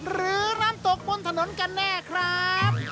หรือร้านตกบนถนนกันแน่ครับ